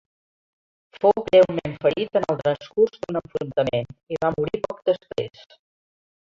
Fou greument ferit en el transcurs d'un enfrontament i va morir poc després.